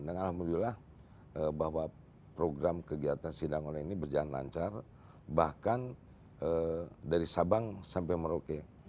alhamdulillah bahwa program kegiatan sidang online ini berjalan lancar bahkan dari sabang sampai merauke